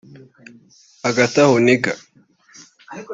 hagataho Niger